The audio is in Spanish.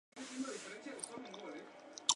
Un artículo de Jared.